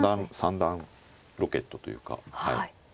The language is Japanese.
三段ロケットというか。